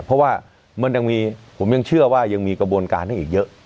เพราะว่ามันยังมีผมยังเชื่อว่ายังมีกระบวนการให้อีกเยอะ